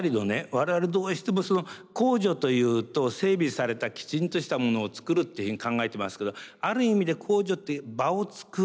我々どうしても公助というと整備されたきちんとしたものをつくるっていうふうに考えてますけどある意味で公助という場をつくる。